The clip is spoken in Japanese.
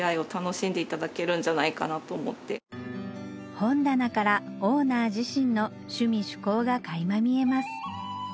本棚からオーナー自身の趣味趣向が垣間見えます